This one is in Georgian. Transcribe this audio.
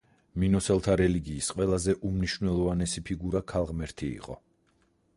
მინოსელთა რელიგიის ყველაზე უმნიშვნელოვანესი ფიგურა ქალღმერთი იყო.